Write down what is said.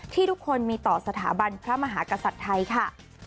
ที่ทุกคนมีต่อสถาบันพระมหากษัตริย์ไทยค่ะ